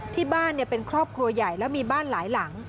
ที่บ้านเป็นครอบครัวใหญ่แล้วมีบ้านหลายหลัง